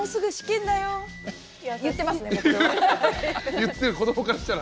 言ってる子どもからしたら。